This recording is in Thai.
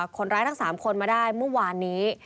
คนร้ายทั้ง๓คนมาได้เมื่อวานนี้